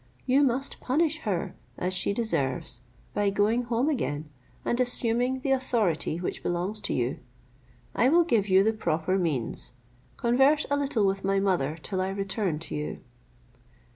You must punish her as she deserves, by going home again, and assuming the authority which belongs to you. I will give you the proper means. Converse a little with my mother till I return to you."